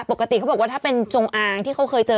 ปกติเขาบอกว่าถ้าเป็นจงอางที่เขาเคยเจอ